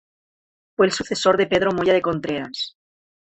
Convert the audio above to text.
Fue el sucesor de Pedro Moya de Contreras.